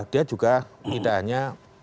dia juga pindahnya